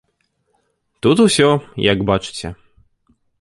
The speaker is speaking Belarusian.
Тут усё, як бачыце.